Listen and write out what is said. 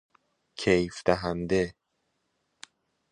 کیف دهنده